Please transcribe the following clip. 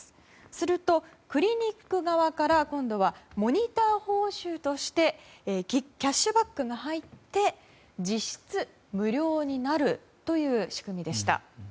すると、クリニック側から今度はモニター報酬としてキャッシュバックが入って実質無料になるという仕組みでした。